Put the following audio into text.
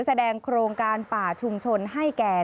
แสดงโครงการป่าชุมชนให้แก่